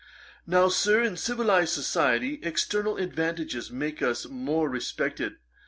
Now, Sir, in civilized society, external advantages make us more respected.